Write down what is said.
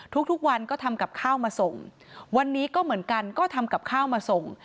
ทุกวันก็ทำกับข้าวมาส่งวันนี้ก็เหมือนกันก็ทำกับข้าวมาส่ง